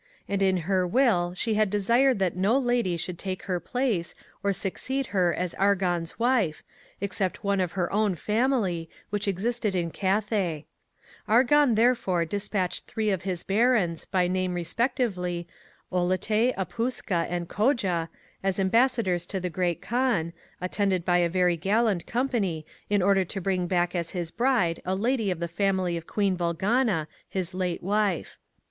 And in her Will she had desired that no Lady should take her place, or succeed her as Argon's wife, except one of her own family [which existed in Cathay]. Argon therefore despatched three of his Barons, by name respectively Oulatay, Apusca, and Coja, as ambassadors to the Great Kaan, attended by a very gallant company, in order to bring back as his bride a lady of the family of Queen Bolgana, his late wife.